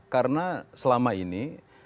karena selama ini